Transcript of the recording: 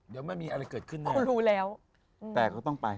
เดี๋ยวไม่มีอะไรเกิดขึ้นเนี่ย